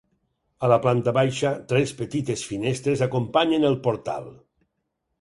A la planta baixa, tres petites finestres acompanyen el portal.